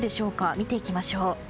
見ていきましょう。